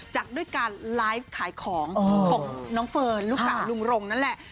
จากด้วยการไลฟ์ขายของของน้องเฟิร์นลูกสาวลุงรงนั่นแหละ